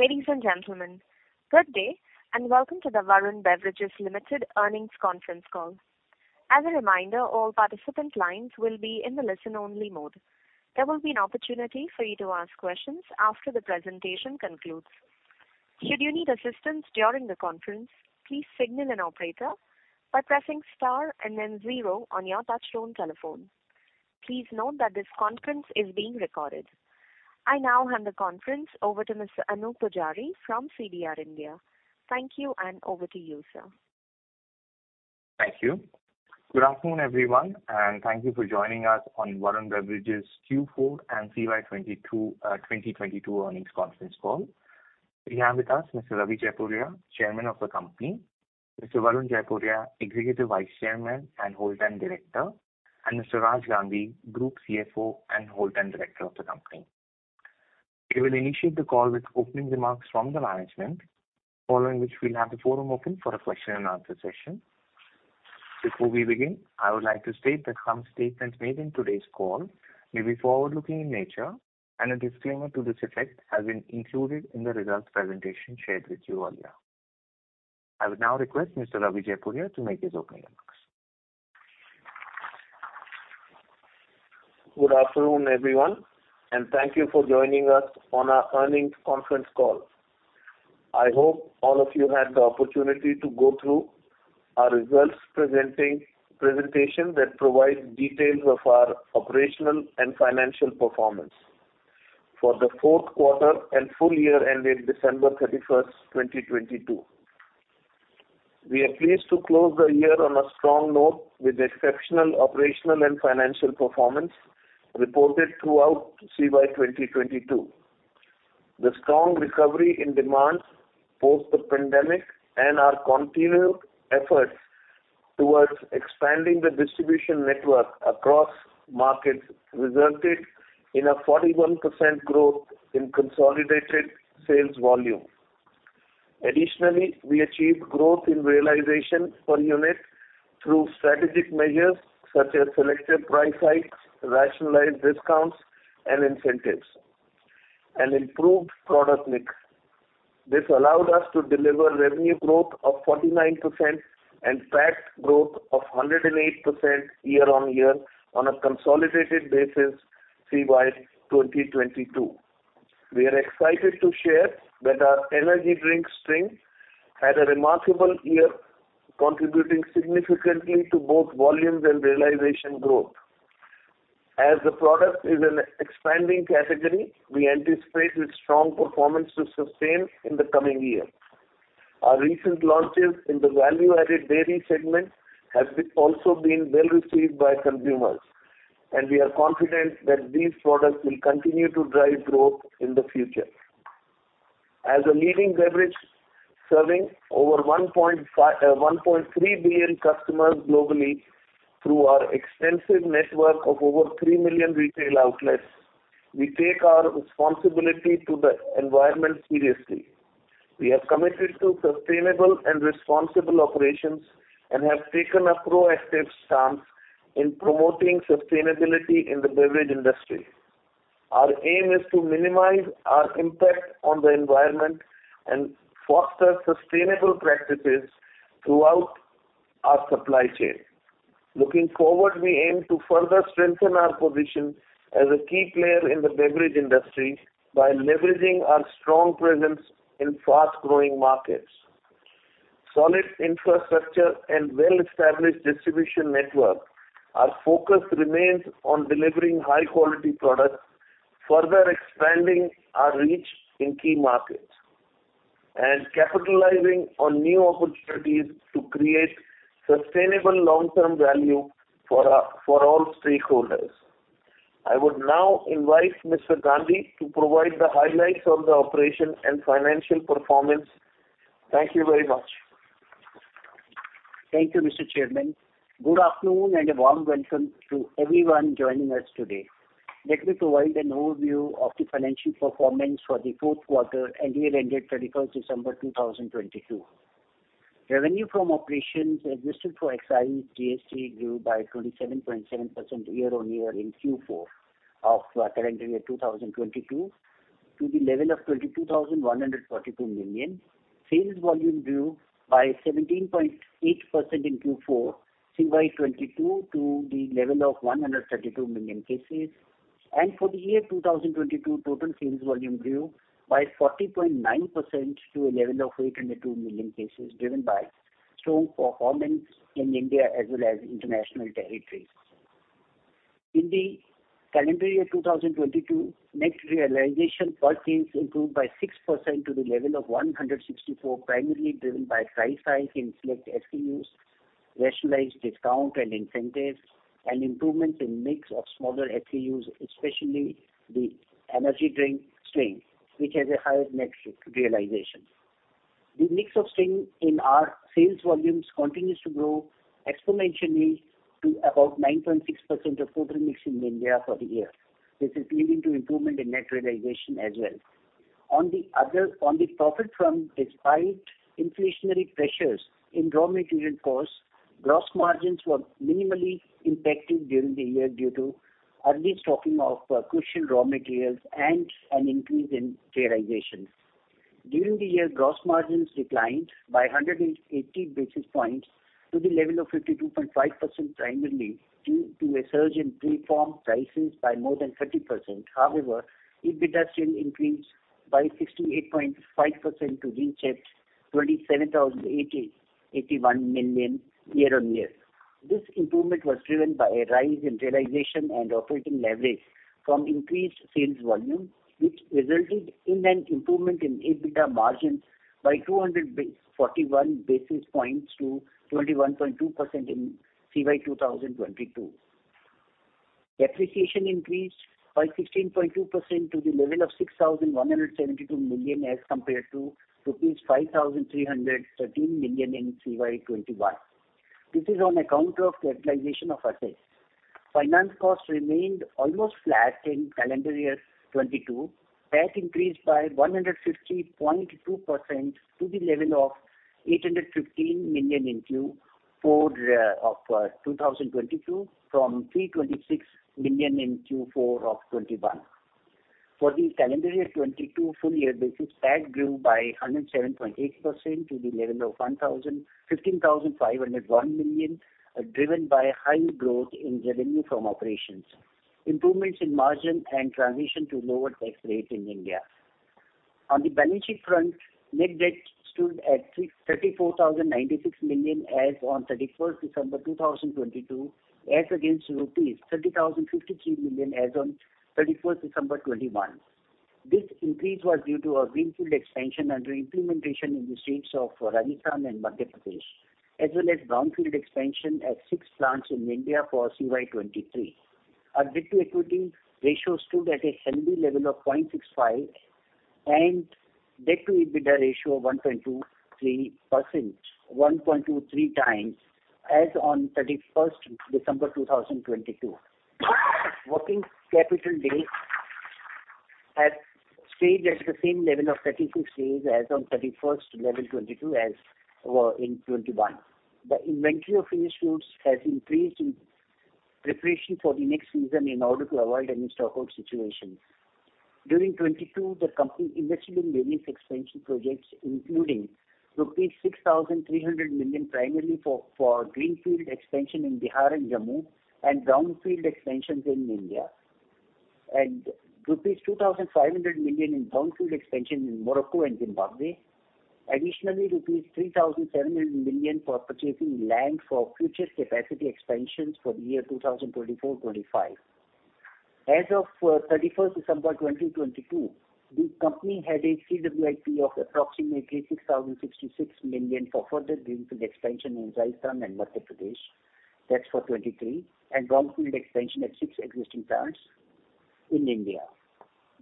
Ladies and gentlemen, good day, and welcome to the Varun Beverages Limited earnings conference call. As a reminder, all participant lines will be in the listen only mode. There will be an opportunity for you to ask questions after the presentation concludes. Should you need assistance during the conference, please signal an operator by pressing star and then zero on your touchtone telephone. Please note that this conference is being recorded. I now hand the conference over to Mr. Anoop Poojari from CDR India. Thank you, and over to you, sir. Thank you. Good afternoon, everyone, and thank you for joining us on Varun Beverages Q4 and CY 22, 2022 earnings conference call. We have with us Mr. Ravi Jaipuria, Chairman of the company, Mr. Varun Jaipuria, Executive Vice Chairman and Whole Time Director, and Mr. Raj Gandhi, Group CFO and Whole Time Director of the company. We will initiate the call with opening remarks from the management, following which we'll have the forum open for a question and answer session. Before we begin, I would like to state that some statements made in today's call may be forward-looking in nature. A disclaimer to this effect has been included in the results presentation shared with you earlier. I would now request Mr. Ravi Jaipuria to make his opening remarks. Good afternoon, everyone, and thank you for joining us on our earnings conference call. I hope all of you had the opportunity to go through our results presentation that provides details of our operational and financial performance for the fourth quarter and full year ending December 31, 2022. We are pleased to close the year on a strong note with exceptional operational and financial performance reported throughout CY 2022. The strong recovery in demand post the pandemic and our continued efforts towards expanding the distribution network across markets resulted in a 41% growth in consolidated sales volume. Additionally, we achieved growth in realization per unit through strategic measures such as selective price hikes, rationalized discounts and incentives, and improved product mix. This allowed us to deliver revenue growth of 49% and PAT growth of 108% year-on-year on a consolidated basis, CY 2022. We are excited to share that our energy drink, Sting, had a remarkable year, contributing significantly to both volumes and realization growth. As the product is an expanding category, we anticipate its strong performance to sustain in the coming year. Our recent launches in the value-added dairy segment has also been well received by consumers, and we are confident that these products will continue to drive growth in the future. As a leading beverage serving over 1.3 billion customers globally through our extensive network of over three million retail outlets, we take our responsibility to the environment seriously. We are committed to sustainable and responsible operations and have taken a proactive stance in promoting sustainability in the beverage industry. Our aim is to minimize our impact on the environment and foster sustainable practices throughout our supply chain. Looking forward, we aim to further strengthen our position as a key player in the beverage industry by leveraging our strong presence in fast-growing markets, solid infrastructure and well-established distribution network. Our focus remains on delivering high quality products, further expanding our reach in key markets, and capitalizing on new opportunities to create sustainable long-term value for all stakeholders. I would now invite Mr. Gandhi to provide the highlights of the operation and financial performance. Thank you very much. Thank you, Mr. Chairman. Good afternoon, a warm welcome to everyone joining us today. Let me provide an overview of the financial performance for the fourth quarter and year ended December 31, 2022. Revenue from operations adjusted for excise GST grew by 27.7% year-on-year in Q4 of the current year, 2022, to the level of 22,142 million. Sales volume grew by 17.8% in Q4 CY22 to the level of 132 million cases. For the year 2022, total sales volume grew by 40.9% to a level of 802 million cases, driven by strong performance in India as well as international territories. In the calendar year 2022, net realization per sales improved by 6% to the level of 164, primarily driven by price hikes in select SKUs, rationalized discount and incentives, and improvements in mix of smaller SKUs, especially the energy drink, Sting, which has a higher net realization. The mix of Sting in our sales volumes continues to grow exponentially to about 9.6% of total mix in India for the year. This is leading to improvement in net realization as well. On the profit front, despite inflationary pressures in raw material costs, Gross margins were minimally impacted during the year due to early stocking of crucial raw materials and an increase in realization. During the year, gross margins declined by 180 basis points to the level of 52.5% primarily due to a surge in preform prices by more than 30%. EBITDA still increased by 68.5% to reach 27,081 million year-on-year. This improvement was driven by a rise in realization and operating leverage from increased sales volume, which resulted in an improvement in EBITDA margins by 241 basis points to 21.2% in CY 2022. Depreciation increased by 16.2% to the level of 6,172 million, as compared to rupees 5,313 million in CY 2021. This is on account of capitalization of assets. Finance costs remained almost flat in calendar year 2022. VAT increased by 150.2% to the level of 815 million in Q4 2022, from 326 million in Q4 2021. For the calendar year 2022 full year basis, VAT grew by 107.8% to the level of 15,501 million, driven by high growth in revenue from operations, improvements in margin and transition to lower tax rate in India. On the balance sheet front, net debt stood at 34,096 million as on 31st December 2022, as against rupees 30,053 million as on 31st December 2021. This increase was due to our greenfield expansion under implementation in the states of Rajasthan and Madhya Pradesh, as well as brownfield expansion at six plants in India for CY 2023. Our debt-to-equity ratio stood at a healthy level of 0.65, and debt-to-EBITDA ratio of 1.23x as on 31st December 2022. Working capital days have stayed at the same level of 36 days as on 31st level 2022 as in 2021. The inventory of finished goods has increased in preparation for the next season in order to avoid any stockhold situation. During 2022, the company invested in various expansion projects, including rupees 6,300 million primarily for greenfield expansion in Bihar and Jammu and brownfield expansions in India, and rupees 2,500 million in brownfield expansion in Morocco and Zimbabwe. Additionally, rupees 3,700 million for purchasing land for future capacity expansions for the year 2024, 2025. As of 31st December 2022, the company had a CWIP of approximately 6,066 million for further greenfield expansion in Rajasthan and Madhya Pradesh. That's for 2023. Brownfield expansion at six existing plants in India.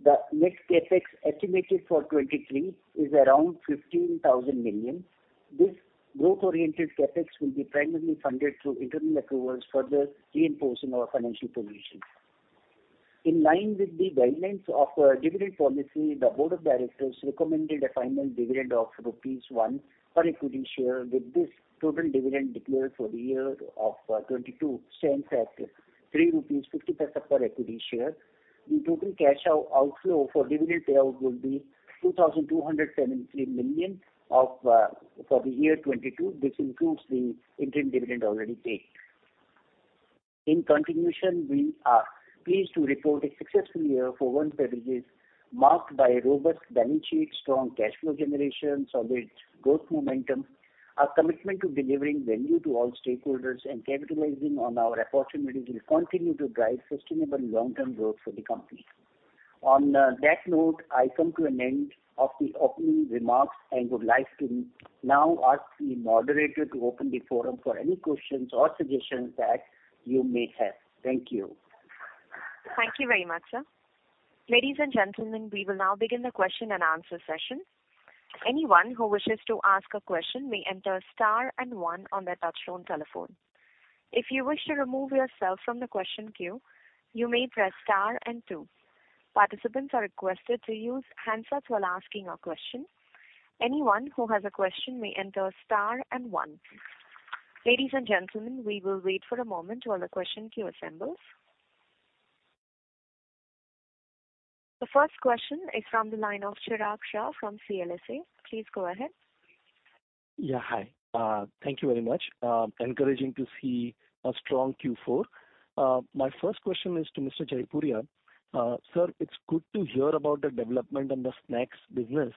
The next CapEx estimated for 2023 is around 15,000 million. This growth-oriented CapEx will be primarily funded through internal accruals, further reinforcing our financial position. In line with the guidelines of dividend policy, the board of directors recommended a final dividend of rupees 1 per equity share. With this, total dividend declared for the year of 2022 stands at 3.50 rupees per equity share. The total cash outflow for dividend payout will be 2,273 million for the year 2022. This includes the interim dividend already paid. In continuation, we are pleased to report a successful year for Varun Beverages, marked by a robust balance sheet, strong cash flow generation, solid growth momentum. Our commitment to delivering value to all stakeholders and capitalizing on our opportunities will continue to drive sustainable long-term growth for the company. On that note, I come to an end of the opening remarks and would like to now ask the moderator to open the forum for any questions or suggestions that you may have. Thank you. Thank you very much, sir. Ladies and gentlemen, we will now begin the question and answer session. Anyone who wishes to ask a question may enter star and one on their touchtone telephone. If you wish to remove yourself from the question queue, you may press star and two. Participants are requested to use handsets while asking a question. Anyone who has a question may enter star and one. Ladies and gentlemen, we will wait for a moment while the question queue assembles. The first question is from the line of Chirag Shah from CLSA. Please go ahead. Yeah. Hi. Thank you very much. Encouraging to see a strong Q4. My first question is to Mr. Jaipuria. Sir, it's good to hear about the development in the snacks business.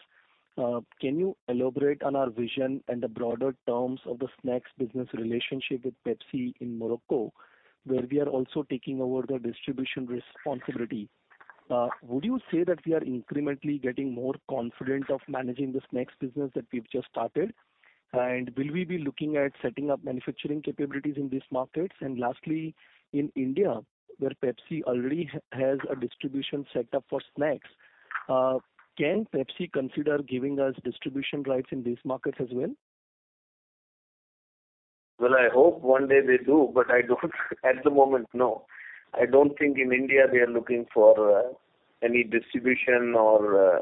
Can you elaborate on our vision and the broader terms of the snacks business relationship with PepsiCo in Morocco, where we are also taking over the distribution responsibility? Would you say that we are incrementally getting more confident of managing the snacks business that we've just started? Will we be looking at setting up manufacturing capabilities in these markets? Lastly, in India, where PepsiCo already has a distribution set up for snacks, can PepsiCo consider giving us distribution rights in these markets as well? Well, I hope one day they do, but I don't. At the moment, no. I don't think in India they are looking for any distribution or.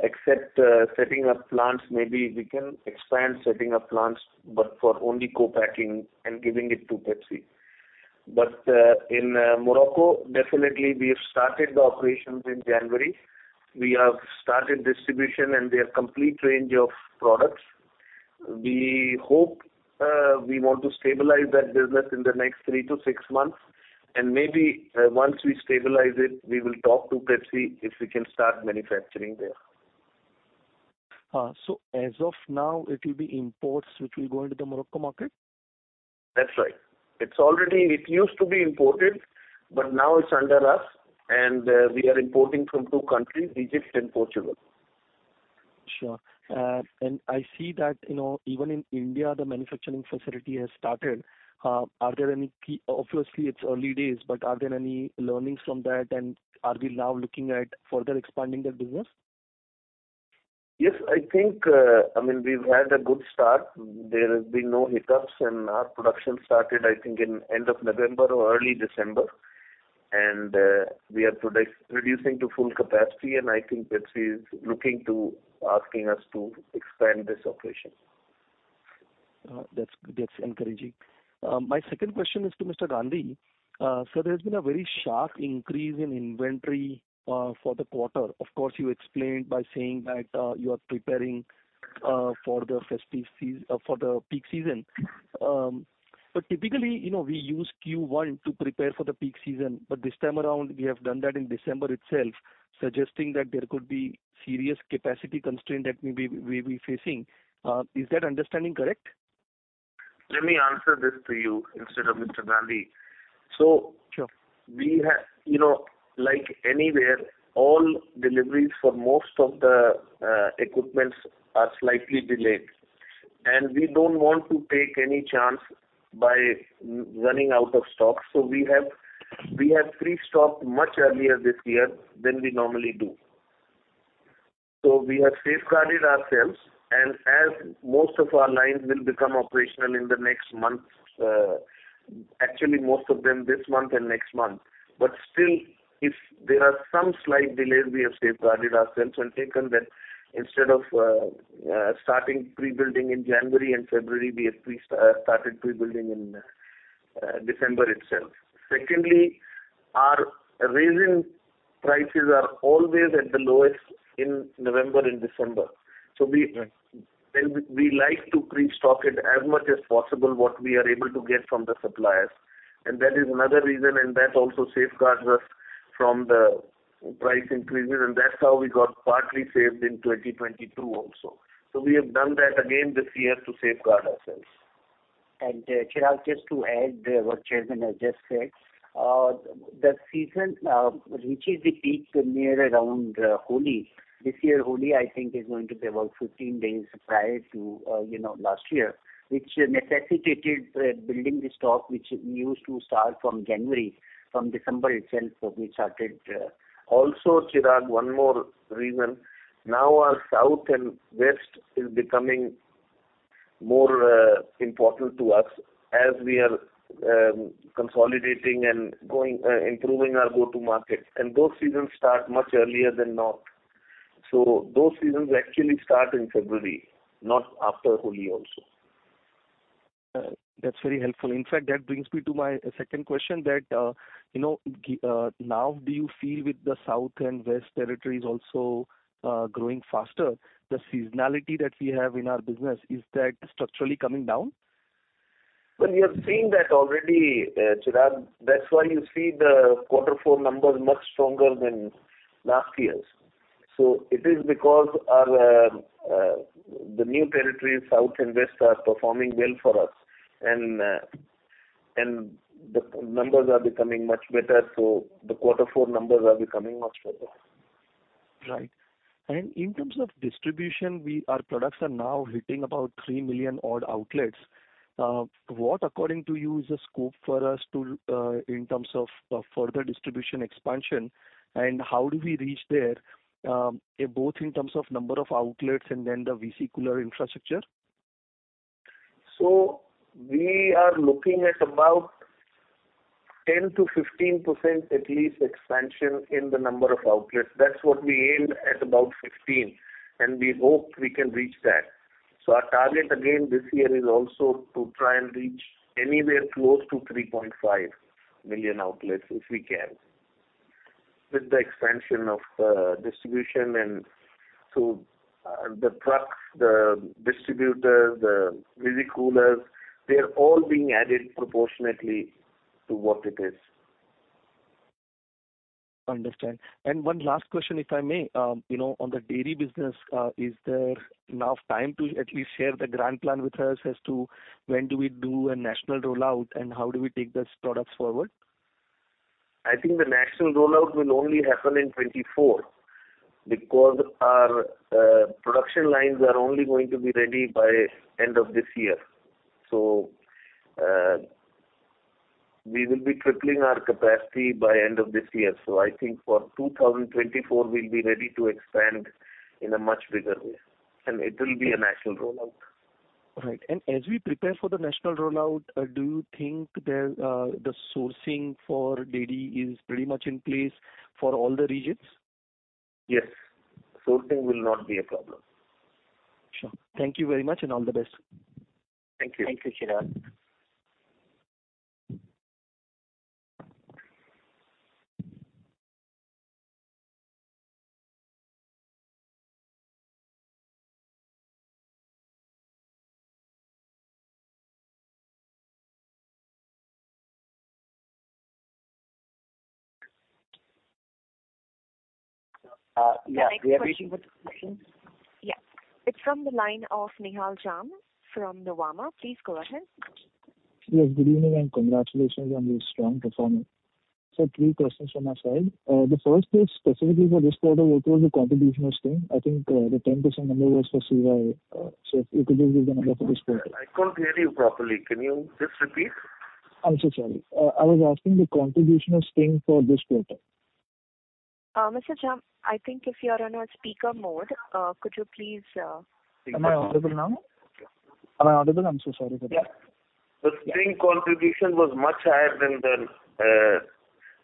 Except setting up plants, maybe we can expand setting up plants, but for only co-packing and giving it to PepsiCo. In Morocco, definitely we have started the operations in January. We have started distribution and their complete range of products. We hope we want to stabilize that business in the next three months-six months. Maybe once we stabilize it, we will talk to PepsiCo if we can start manufacturing there. As of now, it will be imports which will go into the Morocco market? That's right. It used to be imported, but now it's under us. We are importing from two countries, Egypt and Portugal. Sure. I see that, you know, even in India, the manufacturing facility has started. Obviously, it's early days, but are there any learnings from that and are we now looking at further expanding that business? Yes. I think, I mean, we've had a good start. There has been no hiccups, and our production started, I think, in end of November or early December. We are producing to full capacity, and I think PepsiCo is looking to asking us to expand this operation. That's, that's encouraging. My second question is to Mr. Gandhi. Sir, there's been a very sharp increase in inventory for the quarter. Of course, you explained by saying that you are preparing for the festive season for the peak season. Typically, you know, we use Q1 to prepare for the peak season, but this time around, we have done that in December itself, suggesting that there could be serious capacity constraint that we'll be facing. Is that understanding correct? Let me answer this to you instead of Mr. Gandhi. Sure. You know, like anywhere, all deliveries for most of the equipments are slightly delayed. We don't want to take any chance by running out of stock, so we have pre-stocked much earlier this year than we normally do. We have safeguarded ourselves, and as most of our lines will become operational in the next month, actually most of them this month and next month. Still, if there are some slight delays, we have safeguarded ourselves and taken that instead of starting pre-building in January and February, we have started pre-building in December itself. Secondly, our raising prices are always at the lowest in November and December. We, well, we like to pre-stock it as much as possible what we are able to get from the suppliers. That is another reason, and that also safeguards us from the price increases, and that's how we got partly saved in 2022 also. We have done that again this year to safeguard ourselves. Chirag, just to add, what Chairman has just said. The season reaches the peak near around Holi. This year, Holi, I think, is going to be about 15 days prior to, you know, last year, which necessitated building the stock, which we used to start from January. From December itself, so we started. Chirag, one more reason. Now our south and west is becoming more important to us as we are consolidating and going improving our go-to-market. Those seasons start much earlier than north. Those seasons actually start in February, not after Holi also. That's very helpful. In fact, that brings me to my second question that, you know, now do you feel with the south and west territories also growing faster, the seasonality that we have in our business, is that structurally coming down? Well, we have seen that already, Chirag. That's why you see the quarter four numbers much stronger than last year's. It is because our the new territories, south and west, are performing well for us. The numbers are becoming much better, so the quarter four numbers are becoming much stronger. Right. In terms of distribution, our products are now hitting about three million odd outlets. What according to you is the scope for us to, in terms of further distribution expansion, and how do we reach there, both in terms of number of outlets and then the visi-cooler infrastructure? We are looking at about 10%-15% at least expansion in the number of outlets. That's what we aimed at about 15, and we hope we can reach that. Our target again this year is also to try and reach anywhere close to 3.5 million outlets, if we can. With the expansion of distribution, the trucks, the distributors, the vCoolers, they're all being added proportionately to what it is. Understand. One last question, if I may. You know, on the dairy business, is there enough time to at least share the grand plan with us as to when do we do a national rollout, and how do we take these products forward? I think the national rollout will only happen in 2024 because our production lines are only going to be ready by end of this year. We will be tripling our capacity by end of this year. I think for 2024 we'll be ready to expand in a much bigger way, and it will be a national rollout. Right. As we prepare for the national rollout, do you think there, the sourcing for dairy is pretty much in place for all the regions? Yes. Sourcing will not be a problem. Sure. Thank you very much, and all the best. Thank you. Thank you, Chirag. yeah. We are waiting for the questions. Yeah. It's from the line of Nihal Jham from Nuvama. Please go ahead. Yes, good evening, and congratulations on your strong performance. Three questions from my side. The first is specifically for this quarter. What was the contribution of Sting? I think the 10% number was for CY. If you could just give the number for this quarter. I can't hear you properly. Can you just repeat? I'm so sorry. I was asking the contribution of Sting for this quarter? Mr. Jham, I think if you are on a speaker mode, could you please... Am I audible now? Am I audible? I'm so sorry for that. Yeah. The Sting contribution was much higher than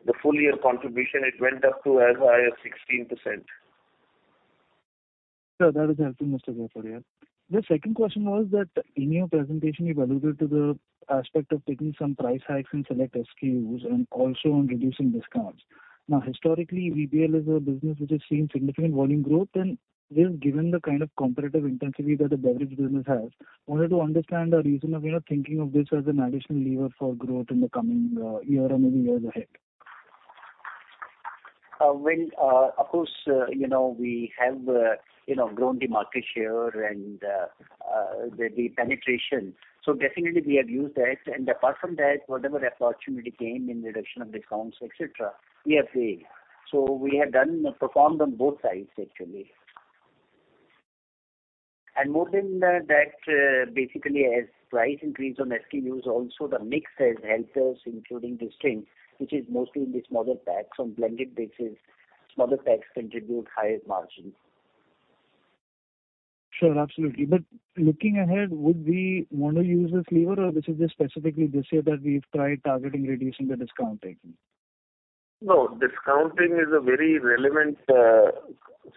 the full year contribution. It went up to as high as 16%. Sure. That is helpful, Mr. Jaipuria. The second question was that in your presentation you've alluded to the aspect of taking some price hikes in select SKUs and also on reducing discounts. Now, historically, VBL is a business which has seen significant volume growth. Just given the kind of competitive intensity that the beverage business has, wanted to understand the reason that we are thinking of this as an additional lever for growth in the coming year or maybe years ahead. Of course, you know, we have, you know, grown the market share and the penetration, definitely we have used that. Apart from that, whatever opportunity came in reduction of discounts, et cetera, we agreed. We have done performed on both sides actually. More than that, basically as price increase on SKUs also the mix has helped us, including the Sting, which is mostly in the smaller packs. On blended basis, smaller packs contribute higher margins. Sure. Absolutely. Looking ahead, would we wanna use this lever or this is just specifically this year that we've tried targeting reducing the discounting? No, discounting is a very relevant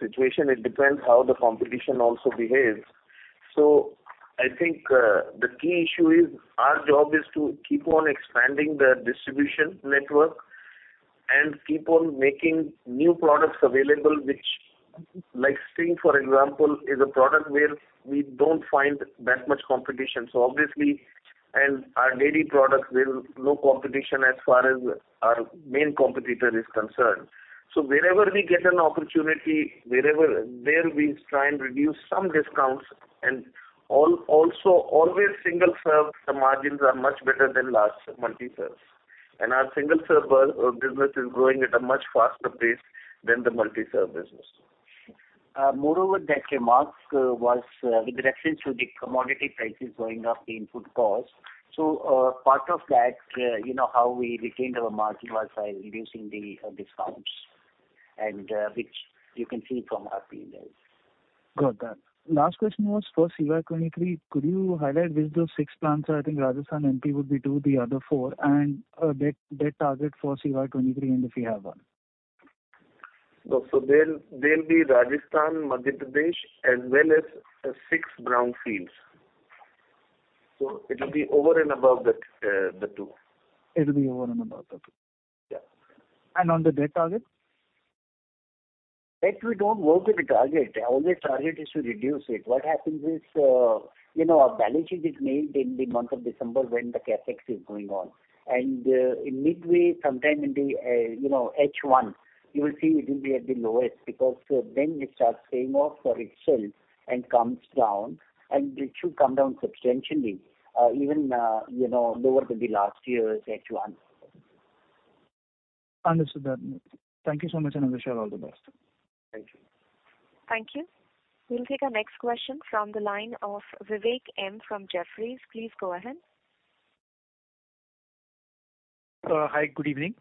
situation. It depends how the competition also behaves. I think, the key issue is our job is to keep on expanding the distribution network and keep on making new products available, which like Sting, for example, is a product where we don't find that much competition. Obviously, and our dairy products, there's no competition as far as our main competitor is concerned. Wherever we get an opportunity, there we try and reduce some discounts and also always single serve, the margins are much better than large multi-serves. Our single serve business is growing at a much faster pace than the multi-serve business. Moreover that remark was with reference to the commodity prices going up in food costs. Part of that, you know, how we retained our margin was by reducing the discounts and which you can see from our P&L. Got that. Last question was for CY 2023. Could you highlight which those six plants are? I think Rajasthan and MP would be two, the other four. Debt target for CY 2023, and if you have one. No. There'll be Rajasthan, Madhya Pradesh, as well as, six brownfields. It'll be over and above that, the two. It'll be over and above the two. Yeah. On the debt target? Debt, we don't work with a target. Our only target is to reduce it. What happens is, you know, our balance sheet is made in the month of December when the CapEx is going on. In midway, sometime in the, you know, H1, you will see it will be at the lowest because, then it starts paying off for itself and comes down, and it should come down substantially, even, you know, lower than the last year's H1. Understood that. Thank you so much, and I wish you all the best. Thank you. Thank you. We'll take our next question from the line of Vivek Maheshwari from Jefferies. Please go ahead. Hi, good evening.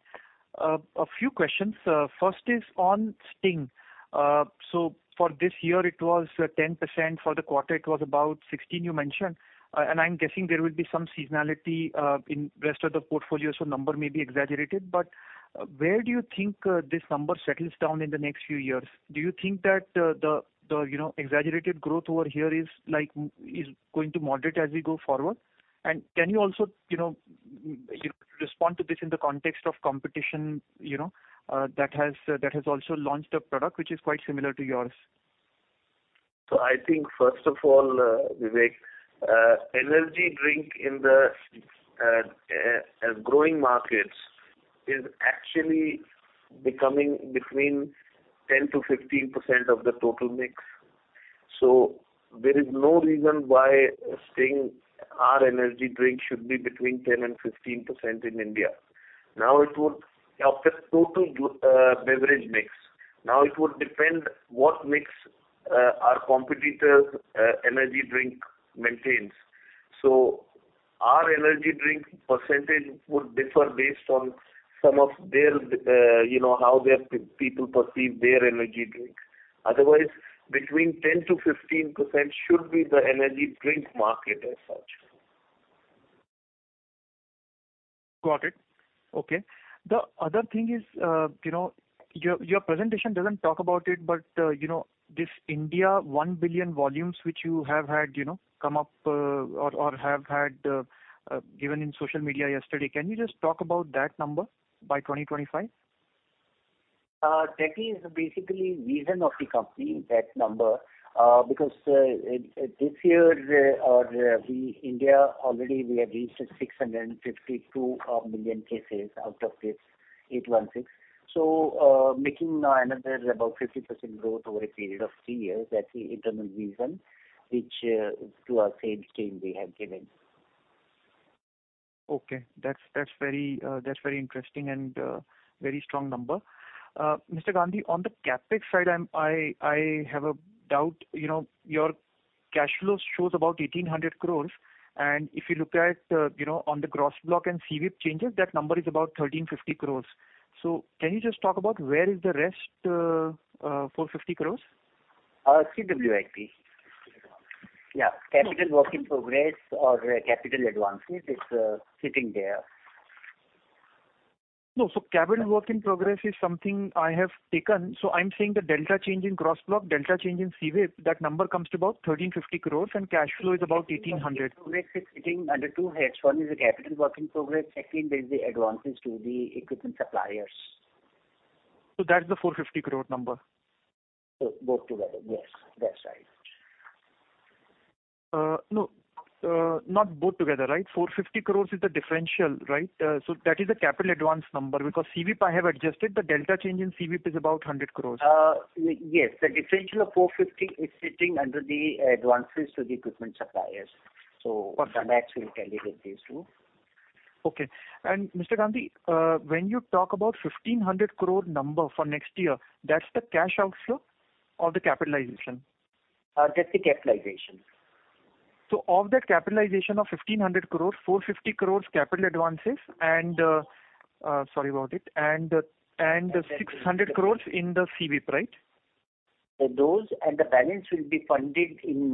A few questions. First is on Sting. For this year, it was 10%. For the quarter it was about 16%, you mentioned. I'm guessing there will be some seasonality in rest of the portfolio, so number may be exaggerated. Where do you think this number settles down in the next few years? Do you think that the, you know, exaggerated growth over here is like, is going to moderate as we go forward? Can you also, you know, you respond to this in the context of competition, you know, that has also launched a product which is quite similar to yours? I think first of all, Vivek, energy drink in the growing markets is actually becoming between 10%-15% of the total mix. There is no reason why Sting, our energy drink, should be between 10% and 15% in India. Now it would depend what mix our competitor's energy drink maintains. Our energy drink percentage would differ based on some of their, you know, how their people perceive their energy drink. Otherwise, between 10%-15% should be the energy drink market as such. Got it. Okay. The other thing is, you know, your presentation doesn't talk about it, but, you know, this India 1 billion volumes which you have had, you know, come up, or have had, given in social media yesterday. Can you just talk about that number by 2025? That is basically vision of the company, that number. Because this year, our, we India already we have reached 652 million cases out of this 816. Making another about 50% growth over a period of three years, that's the internal vision which to our sales team we have given. Okay. That's, that's very interesting and very strong number. Mr. Gandhi, on the CapEx side, I have a doubt, you know, your cash flows shows about 1,800 crore, and if you look at, you know, on the gross block and CWIP changes, that number is about 1,350 crore. Can you just talk about where is the rest 450 crore? CWIP. CWIP. Yeah. Okay. Capital Work in Progress or capital advances is sitting there. No. Capital Work in Progress is something I have taken. I'm saying the delta change in gross block, delta change in CWIP, that number comes to about 1,350 crores and cash flow is about 1,800. It's sitting under two heads. One is the Capital Work in Progress. Second is the advances to the equipment suppliers. That's the 450 crore number. Both together. Yes, that's right. No. Not both together, right? 450 crores is the differential, right? That is the capital advance number because CWIP I have adjusted. The delta change in CWIP is about 100 crores. Yes. The differential of 450 is sitting under the advances to the equipment suppliers. Okay. The max will aggregate these two. Okay. Mr. Gandhi, when you talk about 1,500 crore number for next year, that's the cash outflow or the capitalization? That's the capitalization. Of that capitalization of 1,500 crores, 450 crores capital advances and sorry about it, and 600 crores in the CWIP, right? Those and the balance will be funded in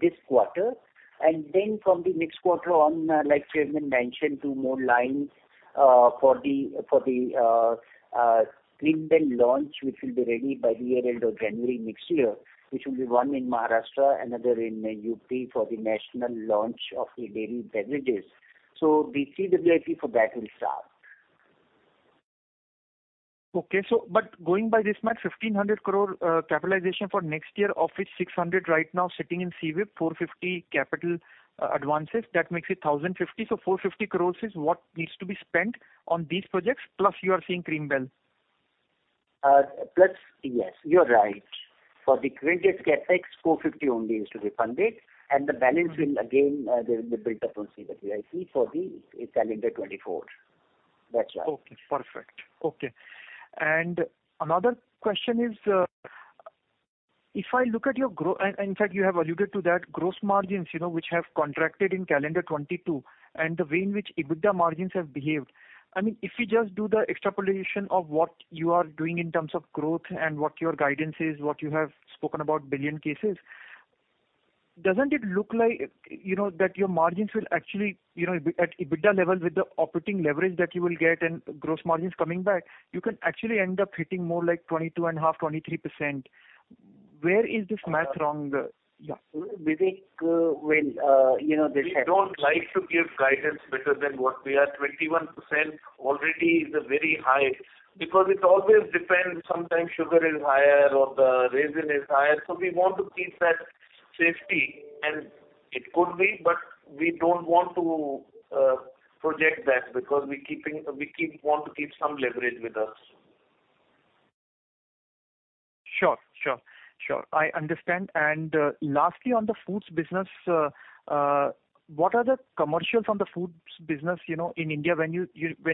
this quarter. Then from the next quarter on, like Chairman mentioned, two more lines for the Green Bell launch, which will be ready by the end of January next year, which will be one in Maharashtra, another in UP for the national launch of the dairy beverages. The CWIP for that will start. Going by this math, 1,500 crore capitalization for next year, of which 600 right now sitting in CWIP, 450 capital advances, that makes it 1,050. 450 crores is what needs to be spent on these projects, plus you are seeing Green Bell. Plus. Yes, you're right. For the credits CapEx, 450 only is to be funded, the balance will again, they will build up on CWIP for the calendar 2024. That's right. Okay, perfect. Okay. Another question is, if I look at your gross margins, in fact you have alluded to that, gross margins, you know, which have contracted in calendar 2022 and the way in which EBITDA margins have behaved. I mean, if you just do the extrapolation of what you are doing in terms of growth and what your guidance is, what you have spoken about billion cases, doesn't it look like, you know, that your margins will actually, you know, at EBITDA level with the operating leverage that you will get and gross margins coming back, you can actually end up hitting more like 20.5%, 23%. Where is this math wrong? Yeah. Vivek, well, you know, this has. We don't like to give guidance better than what we are. 21% already is a very high because it always depends, sometimes sugar is higher or the raisin is higher. We want to keep that safety. It could be, but we don't want to project that because we want to keep some leverage with us. Sure. Sure. Sure. I understand. Lastly, on the foods business, what are the commercials on the foods business, you know, in India when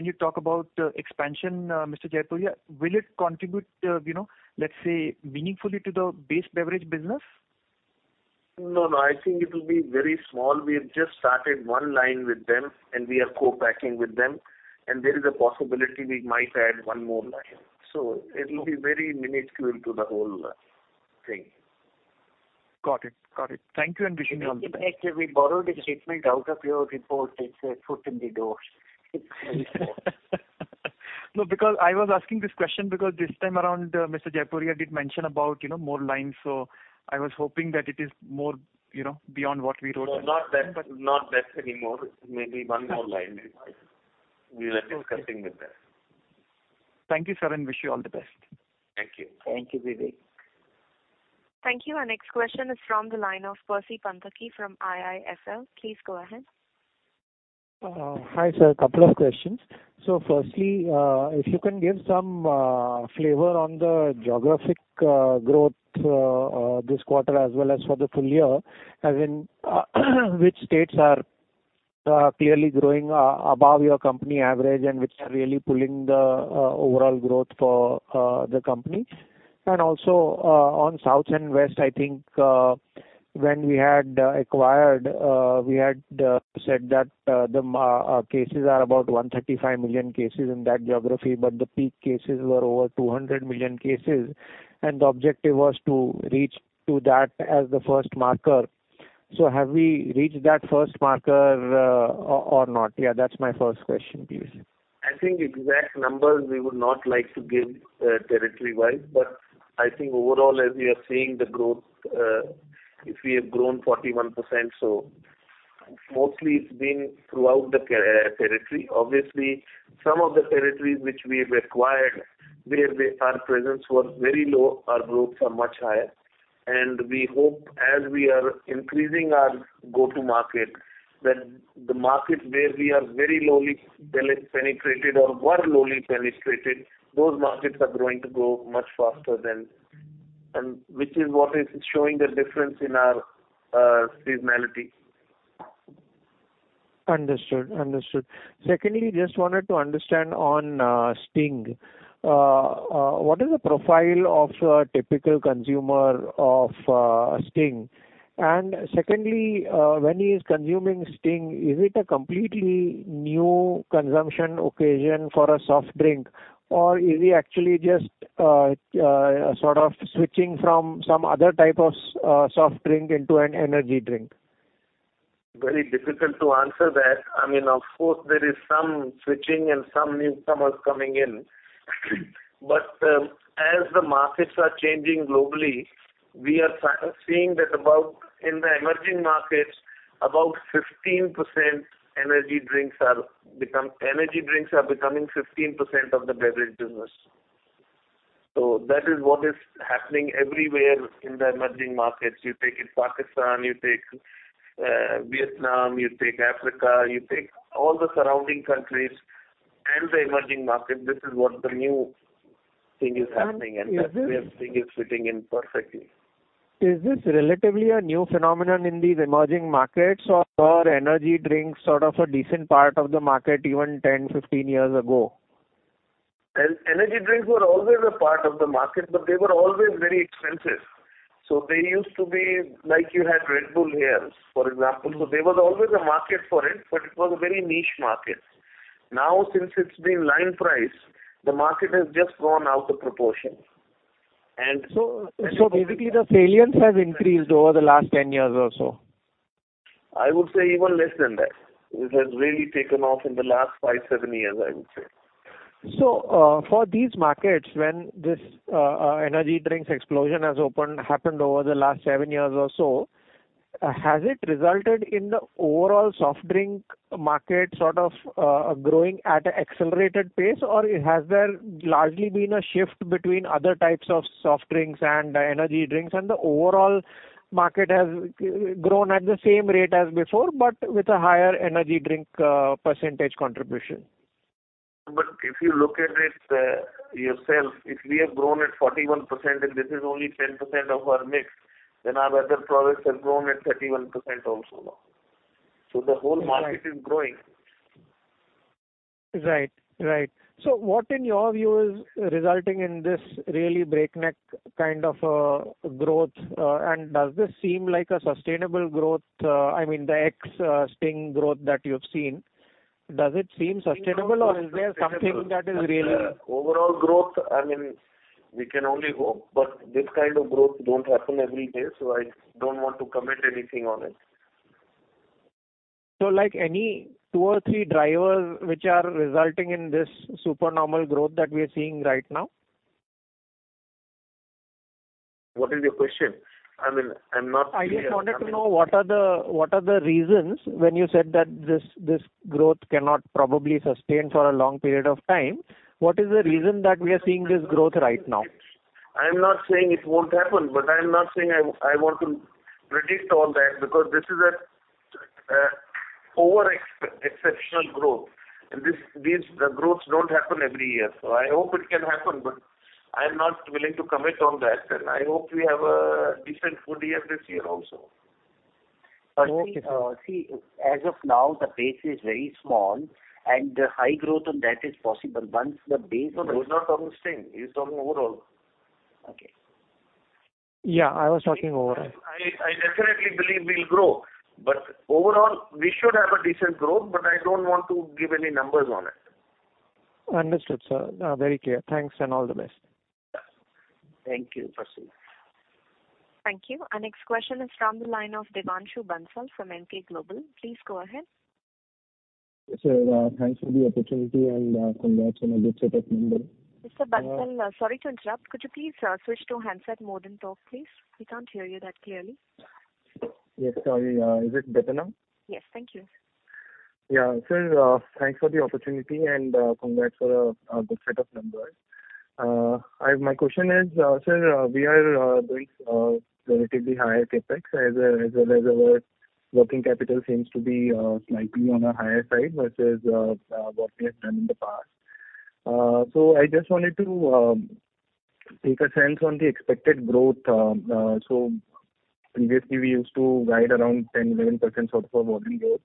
you talk about expansion, Mr. Jaipuria, will it contribute, you know, let's say meaningfully to the base beverage business? No, no. I think it will be very small. We have just started one line with them, and we are co-packing with them, and there is a possibility we might add one more line. It will be very minuscule to the whole thing. Got it. Got it. Thank you, and wish you all the best. Vivek, we borrowed the statement out of your report. It's a foot in the door report. No, because I was asking this question because this time around, Mr. Jaipuria did mention about, you know, more lines. I was hoping that it is more, you know, beyond what we wrote. No, not that, not that anymore. Maybe one more line. We are discussing with them. Thank you, sir, and wish you all the best. Thank you. Thank you, Vivek. Thank you. Our next question is from the line of Percy Panthaki from IIFL. Please go ahead. Hi, sir. A couple of questions. Firstly, if you can give some flavor on the geographic growth this quarter as well as for the full year, as in which states are clearly growing above your company average and which are really pulling the overall growth for the company. Also, on South and West, I think, when we had acquired, we had said that the cases are about 135 million cases in that geography, but the peak cases were over 200 million cases, and the objective was to reach to that as the first marker. Have we reached that first marker or not? That's my first question, please. I think exact numbers we would not like to give, territory-wise. I think overall, as we are seeing the growth, if we have grown 41%, so mostly it's been throughout the territory. Obviously, some of the territories which we've acquired, where our presence was very low, our growths are much higher. We hope as we are increasing our go-to-market, then the markets where we are very lowly penetrated or were lowly penetrated, those markets are going to grow much faster than. Which is what is showing the difference in our seasonality. Understood. Understood. Secondly, just wanted to understand on Sting. What is the profile of a typical consumer of Sting? Secondly, when he is consuming Sting, is it a completely new consumption occasion for a soft drink or is he actually just sort of switching from some other type of soft drink into an energy drink? Very difficult to answer that. I mean, of course there is some switching and some new customers coming in. As the markets are changing globally, we are seeing that about, in the emerging markets, about 15% energy drinks are becoming 15% of the beverage business. That is what is happening everywhere in the emerging markets. You take in Pakistan, you take Vietnam, you take Africa, you take all the surrounding countries and the emerging markets, this is what the new thing is happening. Is this? That we are seeing it fitting in perfectly. Is this relatively a new phenomenon in these emerging markets or energy drinks sort of a decent part of the market even 10, 15 years ago? Energy drinks were always a part of the market, but they were always very expensive. They used to be like you had Red Bull here, for example. There was always a market for it, but it was a very niche market. Now, since it's been line priced, the market has just gone out of proportion. Basically the salience has increased over the last 10 years or so. I would say even less than that. This has really taken off in the last five, seven years, I would say. For these markets, when this energy drinks explosion has happened over the last seven years or so, has it resulted in the overall soft drink market sort of, growing at an accelerated pace? Or has there largely been a shift between other types of soft drinks and energy drinks, and the overall market has grown at the same rate as before, but with a higher energy drink, percentage contribution? If you look at it, yourself, if we have grown at 41% and this is only 10% of our mix, then our other products have grown at 31% also now. The whole market. Right. Is growing. Right. Right. What in your view is resulting in this really breakneck kind of growth? Does this seem like a sustainable growth? I mean, the ex Sting growth that you've seen, does it seem sustainable? I think it is sustainable. -Or is there something that is really- As a overall growth, I mean, we can only hope. This kind of growth don't happen every day. I don't want to commit anything on it. Like any two or three drivers which are resulting in this super normal growth that we are seeing right now? What is your question? I mean, I'm not clear. I just wanted to know what are the reasons when you said that this growth cannot probably sustain for a long period of time. What is the reason that we are seeing this growth right now? I'm not saying it won't happen, but I'm not saying I want to predict all that because this is a exceptional growth and this... Growths don't happen every year. I hope it can happen, but I'm not willing to commit on that. I hope we have a decent full year this year also. Okay, sir. See, as of now, the base is very small and high growth on that is possible. No, he's not on Sting, he's talking overall. Okay. Yeah, I was talking overall. I definitely believe we'll grow, but overall we should have a decent growth, but I don't want to give any numbers on it. Understood, sir. Very clear. Thanks and all the best. Thank you, Percy. Thank you. Our next question is from the line of Devanshu Bansal from Emkay Global. Please go ahead. Yes, sir. Thanks for the opportunity and, congrats on a good set of numbers. Mr. Bansal, sorry to interrupt. Could you please switch to handset mode and talk, please? We can't hear you that clearly. Yes, sorry. Is it better now? Yes. Thank you. Yeah. Sir, thanks for the opportunity and, congrats for a good set of numbers. My question is, sir, we are doing relatively higher CapEx as well as our working capital seems to be slightly on a higher side versus what we have done in the past. I just wanted to take a sense on the expected growth. Previously, we used to ride around 10%, 11% sort of a volume growth,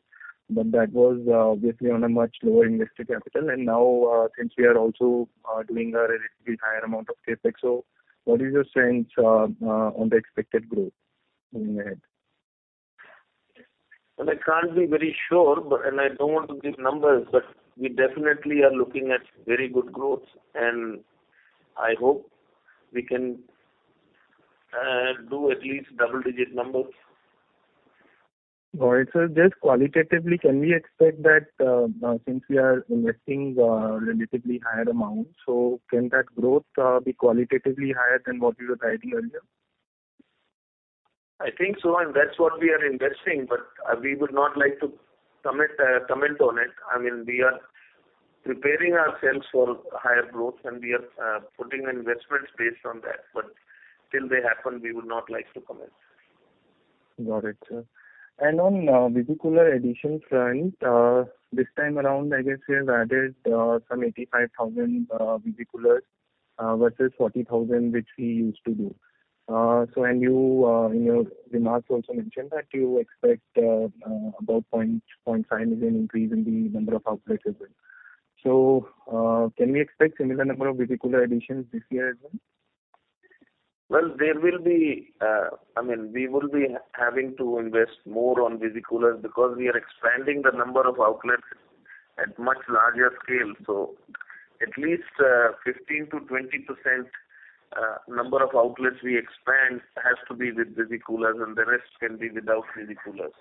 but that was obviously on a much lower invested capital. Now, since we are also doing a relatively higher amount of CapEx. What is your sense on the expected growth moving ahead? Well, I can't be very sure, but I don't want to give numbers, but we definitely are looking at very good growth, and I hope we can do at least double-digit numbers. All right, sir. Just qualitatively, can we expect that, since we are investing relatively higher amounts, can that growth be qualitatively higher than what we were guiding earlier? I think so, and that's what we are investing, but we would not like to commit, comment on it. I mean, we are preparing ourselves for higher growth and we are putting investments based on that. Till they happen we would not like to comment. Got it, sir. On visi-cooler addition front, this time around I guess we have added some 85,000 visi-coolers versus 40,000 which we used to do. And you in your remarks also mentioned that you expect about 0.5 million increase in the number of outlets as well. Can we expect similar number of visi-cooler additions this year as well? Well, there will be, I mean, we will be having to invest more on visi-coolers because we are expanding the number of outlets at much larger scale. At least, 15%-20% number of outlets we expand has to be with visi-coolers. The rest can be without visi-coolers.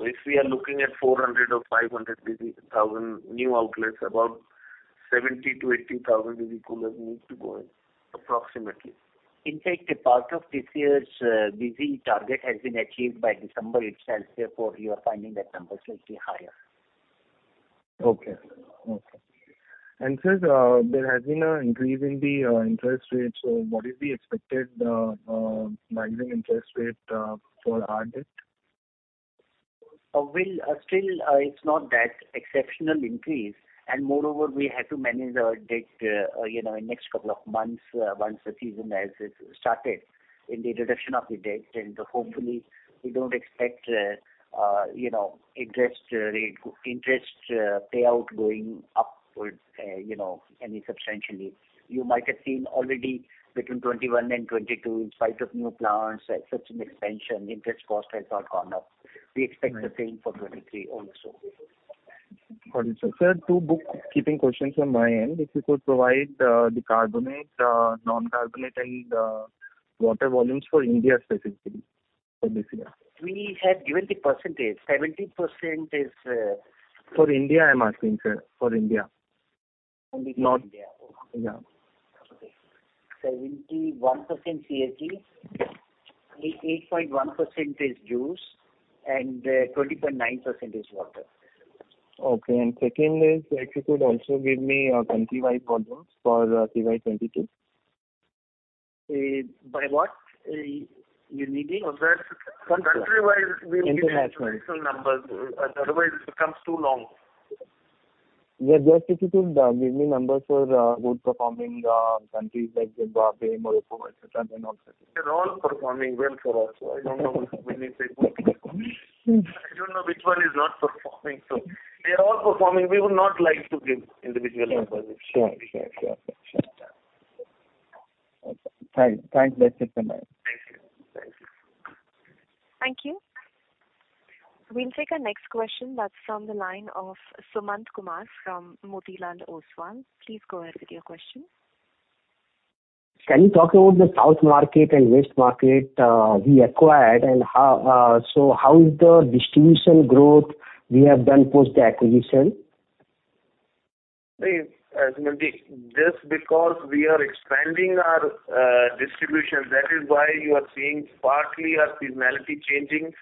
If we are looking at 400, 000 or 500, 000 new outlets, about 70,000-80,000 visi-coolers need to go in, approximately. In fact, a part of this year's visi target has been achieved by December itself, therefore you are finding that number slightly higher. Okay. Okay. Sir, there has been an increase in the interest rates. What is the expected margin interest rate for our debt? Well, still, it's not that exceptional increase. Moreover, we have to manage our debt, you know, in next couple of months, once the season has started in the reduction of the debt. Hopefully we don't expect, you know, interest rate, interest payout going upward, you know, any substantially. You might have seen already between 2021 and 2022, in spite of new plants, et cetera, and expansion, interest cost has not gone up. We expect the same for 2023 also. Got it. Sir, 2 bookkeeping questions from my end. If you could provide, the carbonate, non-carbonate and, water volumes for India specifically for this year. We have given the percentage. 70% is. For India, I'm asking, sir. For India. Only for India. Not... Yeah. Okay. 71% CAGR. 8.1% is juice. 20.9% is water. Okay. Second is if you could also give me a country-wide volumes for FY 2022? By what you're needing? Well, sir, country-wise we give- International ...International numbers. otherwise it becomes too long. Yeah. Just if you could, give me numbers for good performing countries like Zimbabwe, Morocco, et cetera and all, sir. They're all performing well for us. I don't know when you say good. I don't know which one is not performing. They are all performing. We would not like to give individual numbers. Sure. Sure. Sure. Sure. Okay. Thanks. That's it from my end. Thank you. Thank you. Thank you. We'll take our next question that's from the line of Sumant Kumar from Motilal Oswal. Please go ahead with your question. Can you talk about the south market and west market, we acquired, so how is the distribution growth we have done post the acquisition? See, Sumant, just because we are expanding our distribution, that is why you are seeing partly our seasonality changing.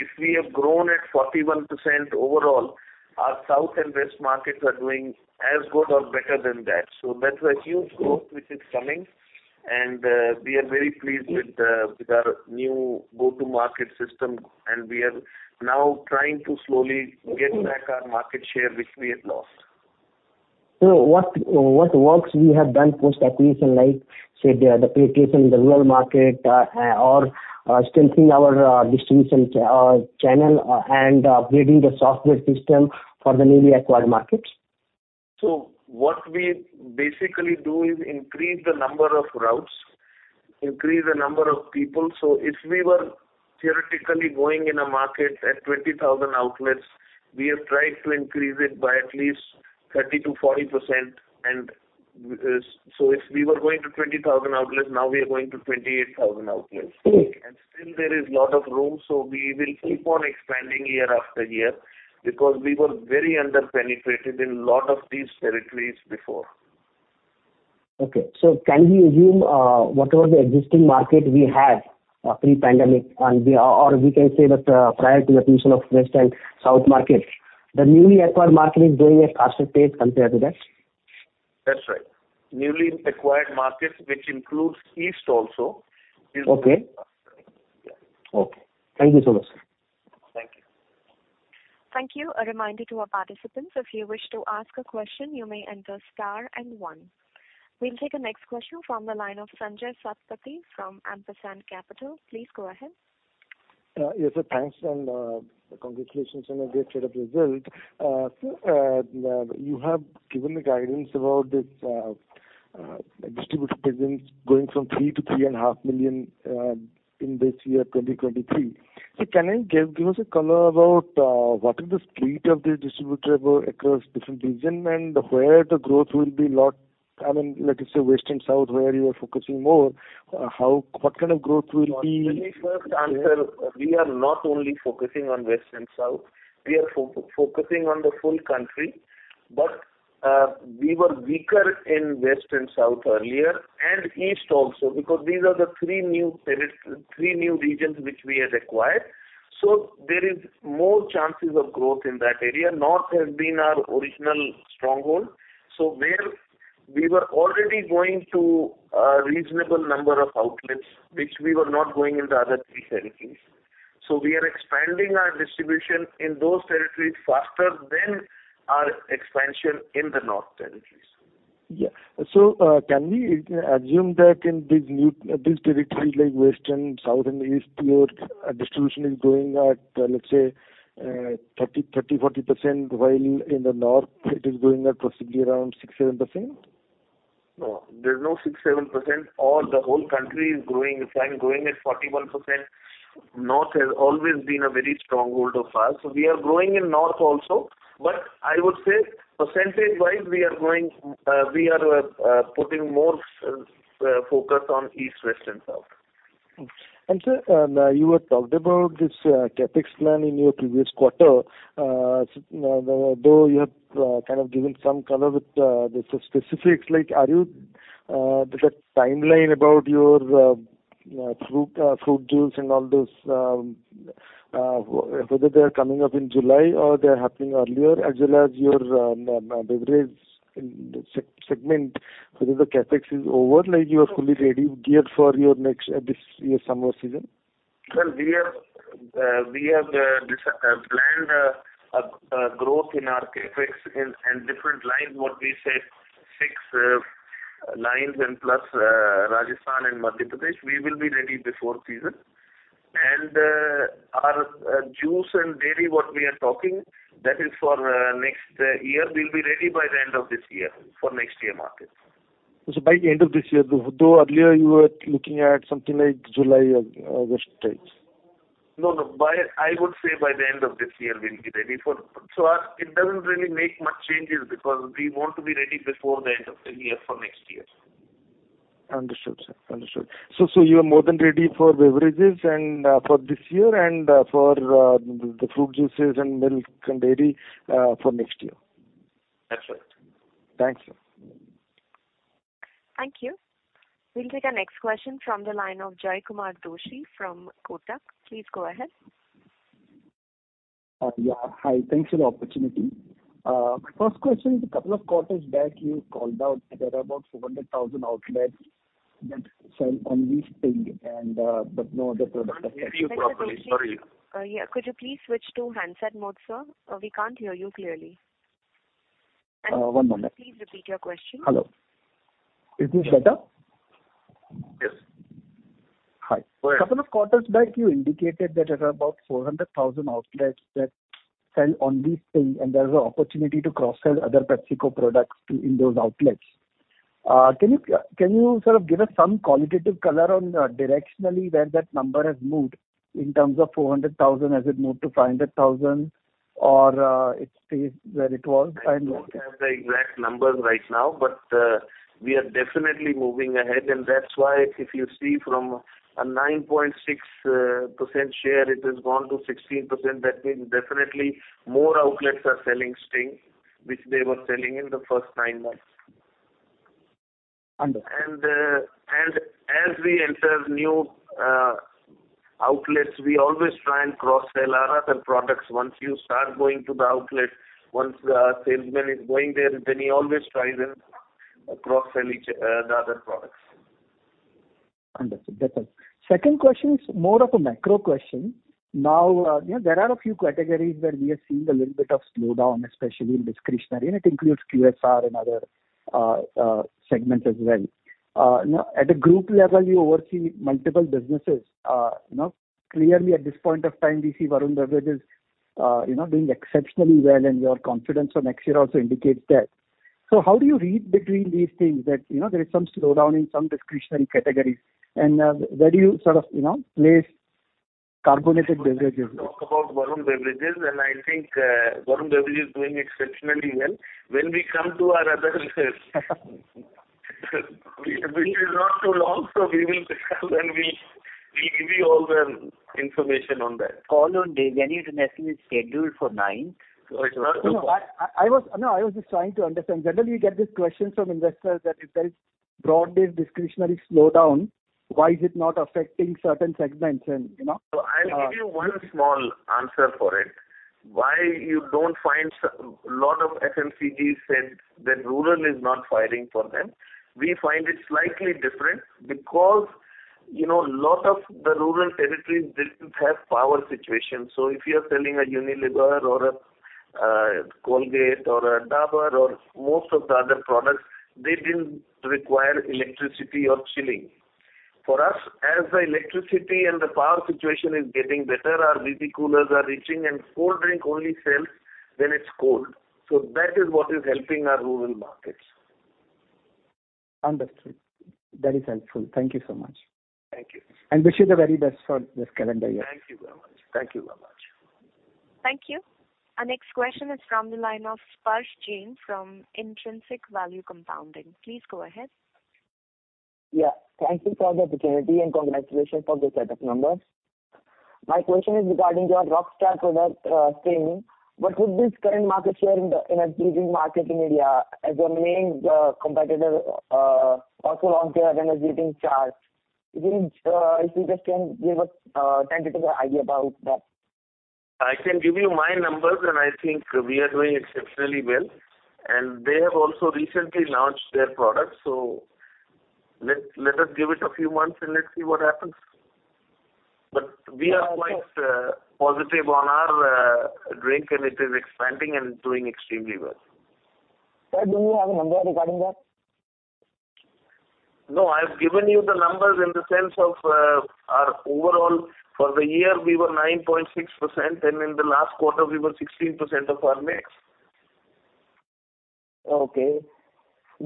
If we have grown at 41% overall, our south and west markets are doing as good or better than that. That's a huge growth which is coming, and we are very pleased with our new go-to market system, and we are now trying to slowly get back our market share which we had lost. What works we have done post-acquisition like, say, the penetration in the rural market, or strengthening our distribution or channel and upgrading the software system for the newly acquired markets? What we basically do is increase the number of routes, increase the number of people. If we were theoretically going in a market at 20,000 outlets, we have tried to increase it by at least 30%-40%. If we were going to 20,000 outlets, now we are going to 28,000 outlets. Mm-hmm. Still there is lot of room. We will keep on expanding year after year because we were very under-penetrated in lot of these territories before. Okay. can we assume, whatever the existing market we had, pre-pandemic Or we can say that, prior to the acquisition of west and south markets, the newly acquired market is growing at faster pace compared to that? That's right. Newly acquired markets, which includes east also, is- Okay. Yeah. Okay. Thank you so much. Thank you. A reminder to our participants, if you wish to ask a question, you may enter star and one. We'll take the next question from the line of Sanjaya Satapathy from Ampersand Capital. Please go ahead. Yes, sir. Thanks, and congratulations on a great set of results. Now, you have given the guidance about this distributor business going from 3 million-3.5 million in this year, 2023. Can you give us a color about what is the speed of the distributor across different region and where the growth will be lot? I mean, let's say West and South, where you are focusing more, how what kind of growth will be. Let me first answer. We are not only focusing on West and South. We are focusing on the full country. We were weaker in West and South earlier, and East also, because these are the three new regions which we have acquired. There is more chances of growth in that area. North has been our original stronghold, so there we were already going to a reasonable number of outlets, which we were not going in the other three territories. We are expanding our distribution in those territories faster than our expansion in the North territories. Yeah. Can we assume that in these new, these territories like West and South and East, your distribution is growing at, let's say, 30%, 40%, while in the North it is growing at possibly around 6%, 7%? There's no 6%, 7%. All the whole country is growing. If I'm growing at 41%, North has always been a very stronghold of ours. We are growing in North also. I would say percentage-wise we are growing, we are putting more focus on East, West, and South. Sir, you had talked about this CapEx plan in your previous quarter. Now, though you have kind of given some color with the specifics, like are you the timeline about your fruit juice and all those, whether they are coming up in July or they are happening earlier, as well as your beverage in segment, whether the CapEx is over, like you are fully ready, geared for your next this year's summer season? Well, we are, we have planned a growth in our CapEx in different lines. What we said, 6 lines and plus Rajasthan and Madhya Pradesh. We will be ready before season. Our juice and dairy, what we are talking, that is for next year. We'll be ready by the end of this year for next year market. By end of this year, though earlier you were looking at something like July or August dates. No, no. I would say by the end of this year we'll be ready. It doesn't really make much changes because we want to be ready before the end of the year for next year. Understood, sir. Understood. You are more than ready for beverages and for this year and for the fruit juices and milk and dairy for next year? That's right. Thanks, sir. Thank you. We'll take our next question from the line of Jaykumar Doshi from Kotak. Please go ahead. Yeah. Hi. Thanks for the opportunity. My first question is a couple of quarters back you called out that there are about 400,000 outlets that sell only Sting and, but no other product... Can't hear you properly. Sorry. Mr. Doshi, yeah, could you please switch to handset mode, sir? We can't hear you clearly. One moment. Please repeat your question. Hello. Is this better? Yes. Hi. Go ahead. Couple of quarters back you indicated that there are about 400,000 outlets that sell only Sting, and there is an opportunity to cross-sell other PepsiCo products to, in those outlets. Can you sort of give us some qualitative color on directionally where that number has moved in terms of 400,000, has it moved to 500,000 or, it stays where it was? I don't have the exact numbers right now, but we are definitely moving ahead. That's why if you see from a 9.6% share, it has gone to 16%. That means definitely more outlets are selling Sting, which they were selling in the first nine months. Understood. As we enter new outlets, we always try and cross-sell our other products. Once you start going to the outlet, once our salesman is going there, he always tries and cross-sell the other products. Understood. That's all. Second question is more of a macro question. you know, there are a few categories where we are seeing a little bit of slowdown, especially in discretionary, and it includes QSR and other segments as well. At a group level, you oversee multiple businesses. Clearly at this point of time, we see Varun Beverages, you know, doing exceptionally well, and your confidence on next year also indicates that. How do you read between these things that, you know, there is some slowdown in some discretionary categories, and where do you sort of, you know, place carbonated beverages? Talk about Varun Beverages, I think, Varun Beverages is doing exceptionally well. When we come to our other business not so long, We'll give you all the information on that. Call on day. When is the next one scheduled for nine? It's not. No, I was just trying to understand. Generally, we get these questions from investors that if there's broad-based discretionary slowdown, why is it not affecting certain segments and, you know. I'll give you 1 small answer for it. Why you don't find lot of FMCGs say that rural is not firing for them. We find it slightly different because, you know, lot of the rural territories didn't have power situation. If you are selling a Unilever or a Colgate or a Dabur or most of the other products, they didn't require electricity or chilling. For us, as the electricity and the power situation is getting better, our BD coolers are reaching and cold drink only sells when it's cold. That is what is helping our rural markets. Understood. That is helpful. Thank you so much. Thank you. Wish you the very best for this calendar year. Thank you very much. Thank you very much. Thank you. Our next question is from the line of Sparsh Jain from Intrinsic Value Compounding. Please go ahead. Yeah. Thank you for the opportunity, and congratulations on the set of numbers. My question is regarding your rockstar product, Sting. What would be its current market share in the energy drink market in India as your main competitor, also launched their energy drink, Charged? If you, if you just can give a tentative idea about that? I can give you my numbers, I think we are doing exceptionally well. They have also recently launched their product. Let us give it a few months, and let's see what happens. We are quite positive on our drink and it is expanding and doing extremely well. Sir, do you have a number regarding that? No, I've given you the numbers in the sense of, our overall. For the year we were 9.6%, and in the last quarter we were 16% of our mix. Okay.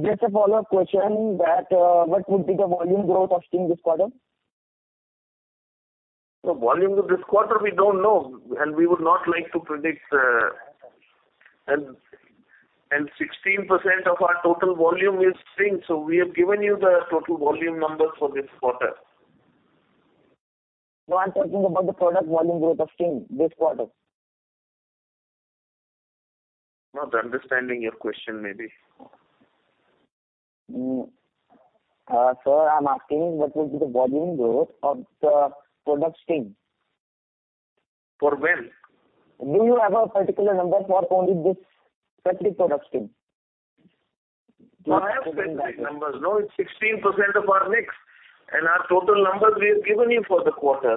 Just a follow-up question that, what would be the volume growth of Sting this quarter? The volume of this quarter, we don't know, and we would not like to predict. I see. 16% of our total volume is Sting, so we have given you the total volume numbers for this quarter. No, I'm talking about the product volume growth of Sting this quarter. Not understanding your question, maybe. Sir, I'm asking what would be the volume growth of the product Sting? For when? Do you have a particular number for only this specific product, Sting? I have specific numbers. It's 16% of our mix, and our total numbers we have given you for the quarter.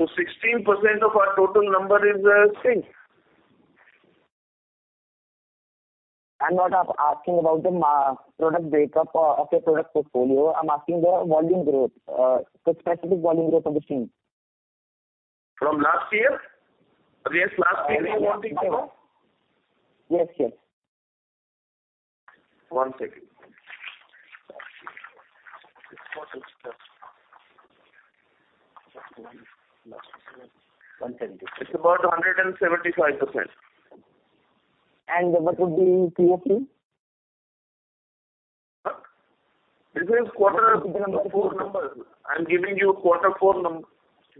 16% of our total number is, Sting. I'm not asking about the product breakup of your product portfolio. I'm asking the volume growth, the specific volume growth of the Sting. From last year? Against last year's volume growth? Yes, yes. One second. It's about 175%. What would be PAT? Huh? This is quarter four numbers. The quarter four numbers I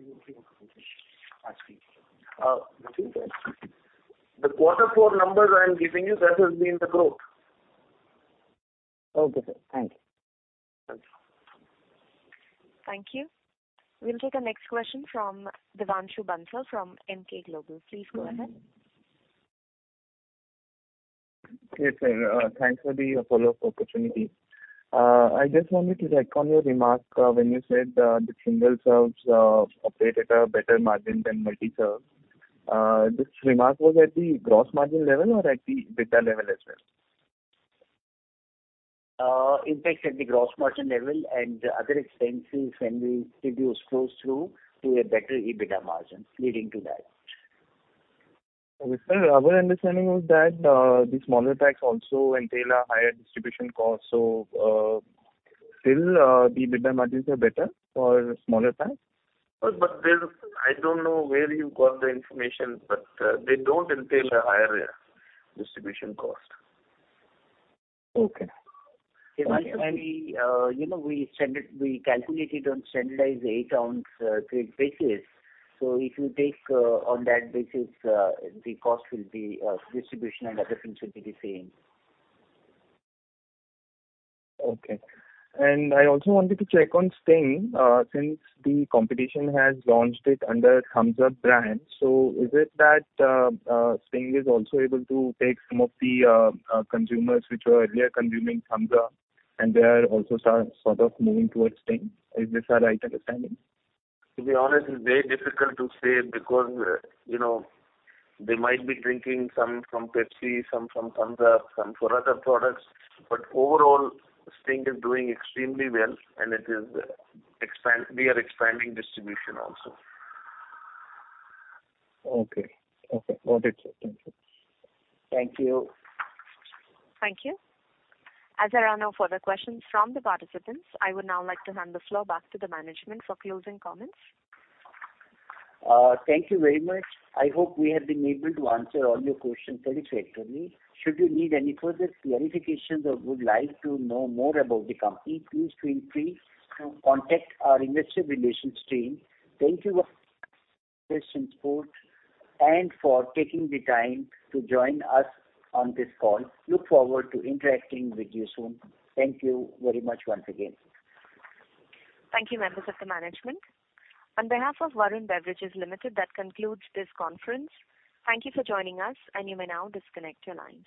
am giving you, that has been the growth. Okay, sir. Thank you. Thank you. Thank you. We'll take our next question from Devanshu Bansal from Emkay Global. Please go ahead. Okay, sir. Thanks for the follow-up opportunity. I just wanted to check on your remark, when you said, the single serves, operate at a better margin than multi-serves. This remark was at the gross margin level or at the EBITDA level as well? Impact at the gross margin level and other expenses when we reduce flows through to a better EBITDA margin leading to that. Sir, our understanding was that the smaller packs also entail a higher distribution cost. Still, the EBITDA margins are better for smaller packs? There's I don't know where you got the information, but they don't entail a higher distribution cost. Okay. If I, you know, we calculate it on standardized 8-ounce, trade basis. If you take, on that basis, the cost will be, distribution and other things will be the same. Okay. I also wanted to check on Sting, since the competition has launched it under Thums Up brand. Is it that, Sting is also able to take some of the consumers which were earlier consuming Thums Up, and they are also start sort of moving towards Sting? Is this a right understanding? To be honest, it's very difficult to say because, you know, they might be drinking some from PepsiCo, some from Thums Up, some for other products. Overall, Sting is doing extremely well and we are expanding distribution also. Okay. Okay. Got it, sir. Thank you. Thank you. Thank you. As there are no further questions from the participants, I would now like to hand the floor back to the management for closing comments. Thank you very much. I hope we have been able to answer all your questions satisfactorily. Should you need any further clarifications or would like to know more about the company, please feel free to contact our investor relations team. Thank you for this support and for taking the time to join us on this call. Look forward to interacting with you soon. Thank you very much once again. Thank you, members of the management. On behalf of Varun Beverages Limited, that concludes this conference. Thank you for joining us, and you may now disconnect your lines.